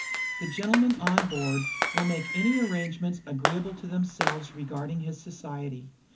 "The gentlemen on board will make any arrangements agreeable to themselves regarding his society.